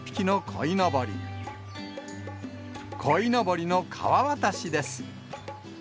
こいのぼりの川渡しです。